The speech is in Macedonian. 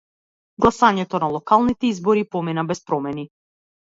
Гласањето на локалните избори помина без проблеми.